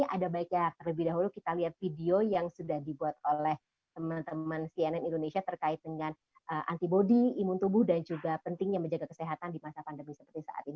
ada baiknya terlebih dahulu kita lihat video yang sudah dibuat oleh teman teman cnn indonesia terkait dengan antibody imun tubuh dan juga pentingnya menjaga kesehatan di masa pandemi seperti saat ini